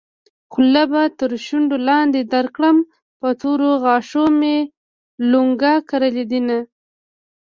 خوله به تر شونډو لاندې درکړم په تورو غاښو مې لونګ کرلي دينه